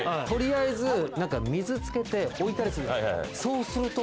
とりあえず水つけて、おいたりする。